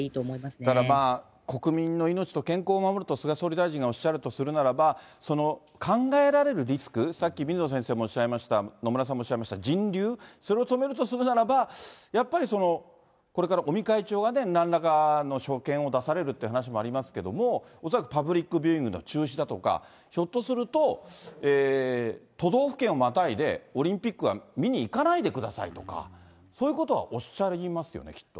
ただまあ、国民の命と健康を守ると、菅総理大臣がおっしゃるとするならば、その考えられるリスク、さっき水野先生もおっしゃいました、野村さんもおっしゃいました、人流、それを止めるとするならば、やっぱりこれから尾身会長がね、なんらかの所見を出されるということですので、恐らくパブリックビューイングの中止だとか、ひょっとすると都道府県をまたいでオリンピックは見に行かないでくださいとか、そういうことはおっしゃいますよね、きっと。